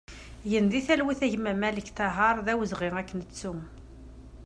Gen di talwit a gma Malek Tahaṛ, d awezɣi ad k-nettu!